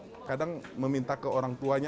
kadang meminta ke orang tuanya